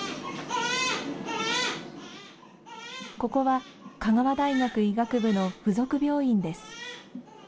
ここは、香川大学医学部の附属病院です。